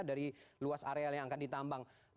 dari luas areal yang akan ditambang